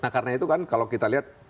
karena itu kan kalau kita lihat